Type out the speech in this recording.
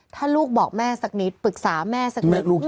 ถ้าลูกบอกแม่สักนิดปรึกษาแม่สักนิด